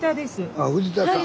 あ藤田さん。